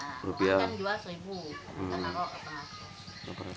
kalau dikasar kita taruh delapan ratus